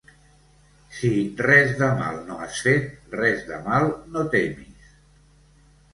Si res de mal no has fet, res de mal no temis.